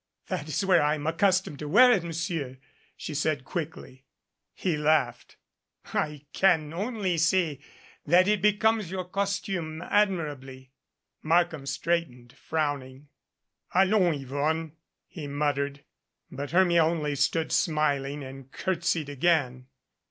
"That is where I am accustomed to wear it, Mon sieur," she said quickly. 159 MADCAP He laughed. "I can only say that it becomes your costume admir ably." Markham straightened, frowning. "AUons, Yvonne," he muttered. But Hermia only stood smiling and curtesied again.